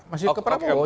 masih ke prabowo